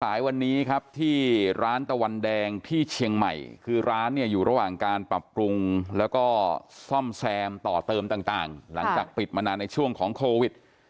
สายวันนี้ครับที่ร้านตะวันแดงที่เชียงใหม่คือร้านเนี่ยอยู่ระหว่างการปรับปรุงแล้วก็ซ่อมแซมต่อเติมต่างหลังจากปิดมานานในช่วงของโควิด